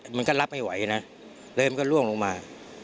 มันก็รับไม่ไหวนะเลยมันก็ล่วงลงมา